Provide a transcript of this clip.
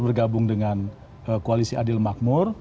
bergabung dengan koalisi adil makmur